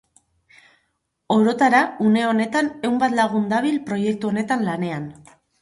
Orotara une honetan ehun bat lagun dabil proiektu honetan lanean.